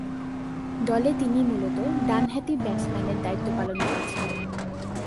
দলে তিনি মূলতঃ ডানহাতি ব্যাটসম্যানের দায়িত্ব পালন করছেন।